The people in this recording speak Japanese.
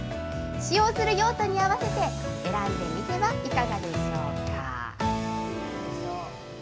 使用する用途に合わせて、選んでみてはいかがでしょうか。